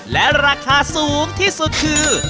และราคาสูงที่สุดคือ